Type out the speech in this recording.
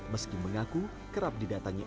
meski mengaku kerap didatangi